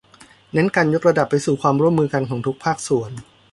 เน้นการยกระดับไปสู่ความร่วมมือกันของทุกภาคส่วน